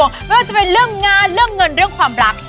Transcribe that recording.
ไม่ว่าจะเป็นเรื่องงานเรื่องเงินเรื่องความรัก